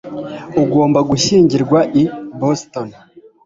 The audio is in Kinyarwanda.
ugomba gushyingirwa i boston